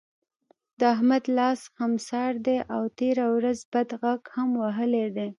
د احمد لاس خسمار دی؛ او تېره ورځ بد غږ هم وهلی دی.